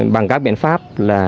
bằng các biện pháp